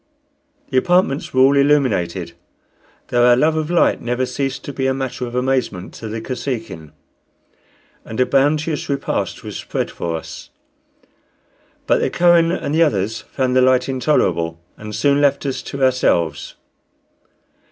The apartments were all illuminated, though our love of light never ceased to be a matter of amazement to the Kosekin, and a bounteous repast was spread for us. But the Kohen and the others found the light intolerable, and soon left us to ourselves.